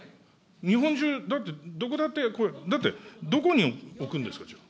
日本中、どこだって、どこって、だってどこに置くんですか、じゃあ。